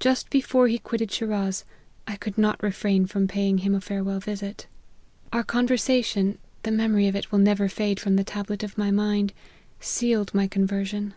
Just before he quitted Shiraz, I could not refrain from paying him a farewell visit. Our 196 LIFE OF HENRY MARTYN. conversation, the memory of it will never fade from the tablet of my mind, sealed my conversion.